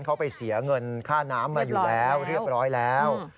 เขาไปเสียเงินค่าน้ำมาอยู่แล้วเรียบร้อยแล้ว